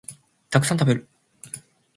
たくさん食べる